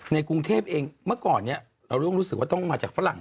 กรุงเทพเองเมื่อก่อนเนี่ยเราต้องรู้สึกว่าต้องมาจากฝรั่ง